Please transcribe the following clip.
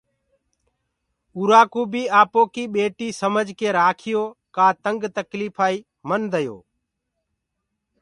اُرآ ڪوُ بي آپو ڪيِ ٻيٽي سمجه ڪي راکيو ڪآ تنگ تڪليڦائي منديو۔